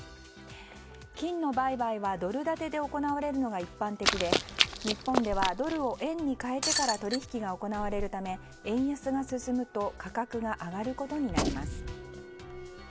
金の売買はドル建てで行われるのが一般的で日本ではドルを円に換えてから取引が行われるため円安が進むと価格が上がることになります。